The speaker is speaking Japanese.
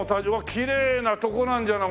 きれいなとこなんじゃない。